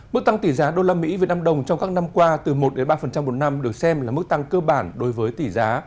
mức tăng tỷ giá usd vnđ trong các năm qua từ một ba một năm được xem là mức tăng cơ bản đối với tỷ giá